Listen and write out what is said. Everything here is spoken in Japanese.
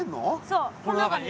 そうこの中に。